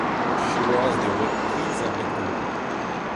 Siwazh n'eo aet priz ebet ganto.